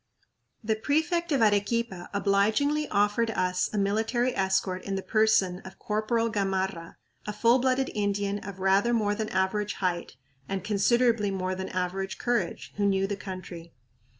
The prefect of Arequipa obligingly offered us a military escort in the person of Corporal Gamarra, a full blooded Indian of rather more than average height and considerably more than average courage, who knew the country.